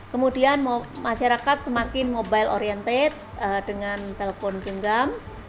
kemudian masyarakat semakin mobile oriented dengan telpon genggam